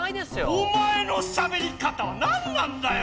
おまえのしゃべり方は何なんだよ！